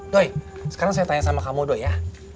doi sekarang saya tanya sama kamu doi ya